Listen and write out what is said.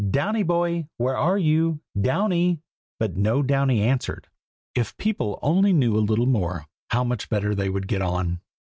Downy boy! where are you, Downy?" but no Downy answered. If people only knew a little more, how much better they would get on!